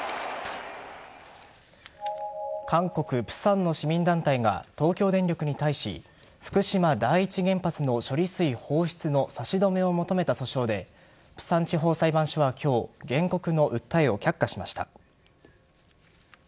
韓国・釜山の市民団体が東京電力に対し福島第一原発の処理水放出の差し止めを求めた訴訟で釜山地方裁判所は今日原告の訴えを却下しました。